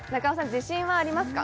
自信はありますか？